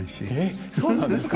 そうなんですか？